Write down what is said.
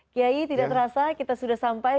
kiai tidak terasa kita sudah sampai